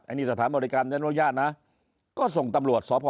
อันนี้สถานบริการบริการอาจนะก็ส่งตำรวจศพ